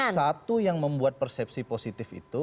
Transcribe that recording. satu yang membuat persepsi positif itu